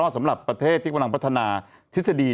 สำหรับประเทศที่กำลังพัฒนาทฤษฎี